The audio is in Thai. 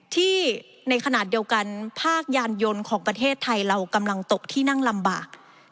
ที่ในขณะเดียวกันภาคยานยนต์ของประเทศไทยเรากำลังตกที่นั่งลำบาก